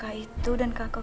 kaka itu dan kakak kamu